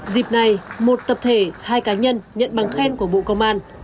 dịp này một tập thể hai cá nhân nhận bằng khen của bộ công an